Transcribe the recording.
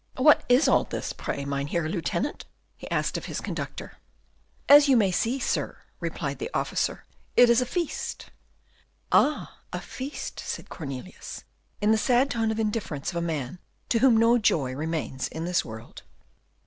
"What is all this, pray, Mynheer Lieutenant?" he asked of his conductor. "As you may see, sir," replied the officer, "it is a feast." "Ah, a feast," said Cornelius, in the sad tone of indifference of a man to whom no joy remains in this world.